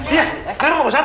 iya sekarang pak ustadz